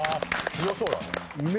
強そうだね。